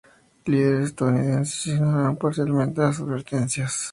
Los líderes estadounidenses ignoraron parcialmente las advertencias de los científicos atómicos.